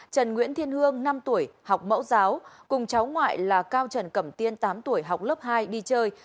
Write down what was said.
trần nguyễn thiên hương năm tuổi học mẫu giáo cùng cháu ngoại là cao trần cẩm tiên tám tuổi học lớp hai đi chơi